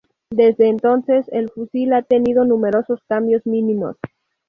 Desde entonces, el fusil ha tenido numerosos cambios mínimos.